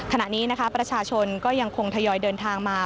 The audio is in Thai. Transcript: ขณะนี้นะคะประชาชนก็ยังคงทยอยเดินทางมา